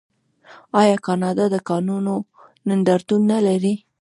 آیا کاناډا د کانونو نندارتون نلري؟